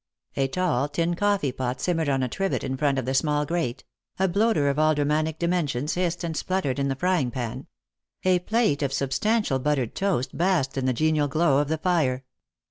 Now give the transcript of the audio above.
A tall tin coffeft pot simmered on a trivet in front of the small grate ; a bloater of aldermanic dimensions hissed and spluttered in the frying pan : a plate of substantial buttered toast basked in the genial glow of the fire.